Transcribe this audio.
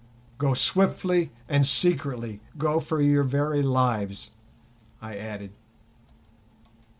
"Go swiftly and secretly; go for your very lives," I added.